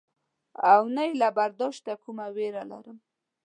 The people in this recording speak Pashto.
او نه یې هم له برداشته کومه وېره لرم.